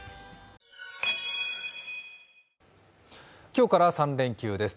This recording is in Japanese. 今日から３連休です。